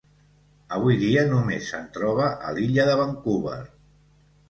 Avui dia només se'n troba a l'Illa de Vancouver.